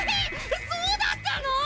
そうだったの！？